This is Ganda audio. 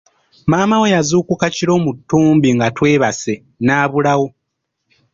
Maama wo yazuukuka kiro mu ttumbi nga twebase n'abulawo.